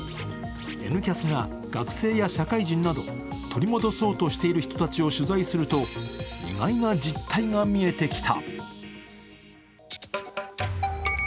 「Ｎキャス」が学生や社会人など、取り戻そうとしている人たちを取材すると意外な実態が見えてきた。